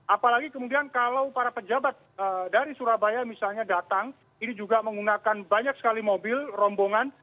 apalagi kemudian kalau para pejabat dari surabaya misalnya datang ini juga menggunakan banyak sekali mobil rombongan